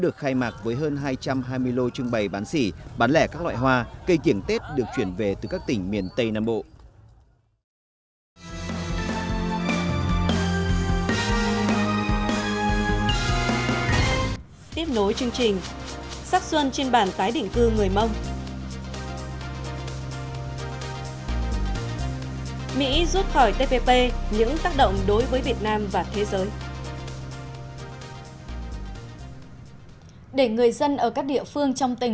cây kiển tết được chuyển về từ các tỉnh miền tây nam bộ